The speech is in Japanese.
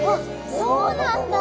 そうなんだ！